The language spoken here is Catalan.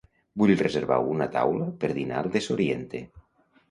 Vull reservar una taula per dinar al Desoriente.